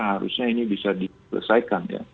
harusnya ini bisa dikesaikan